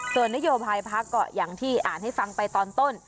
ตัวนโยภายพระเกาะอย่างที่อ่านให้ฟังไปตอนต้น